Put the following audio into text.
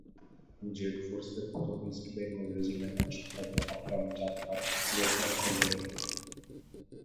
Z ফোর্সের প্রথম East Bengal regiment আসতে থাকে আটগ্রাম-চরঘাট-সিলেট অক্ষ ধরে।